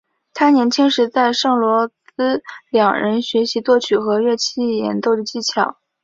他年轻时在圣罗伦兹两人学习作曲和乐器演奏的技巧。